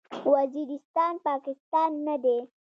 وزیرستان، پاکستان نه دی.